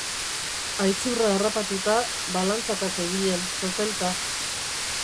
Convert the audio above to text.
Aitzurra harrapatuta, balantzaka zebilen, totelka.